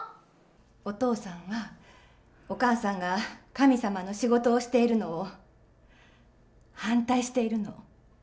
お父さんは、お母さんが神様の仕事をしているのを反対しているの。